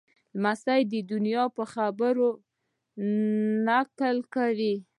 لمسی د نیا د خبرو نقل کوي.